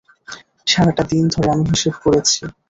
সারাটা দিন ধরে আমি হিসেব করেছি!